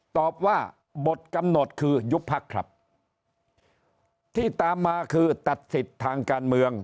ตอบว่าบทกำหนดคือยุบพักครับที่ตามมาคือตัดสิทธิ์ทางการเมือง